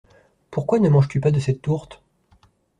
Pourquoi ne manges-tu pas de cette tourte?